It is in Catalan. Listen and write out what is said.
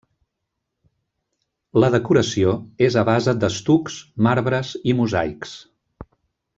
La decoració és a base d'estucs, marbres i mosaics.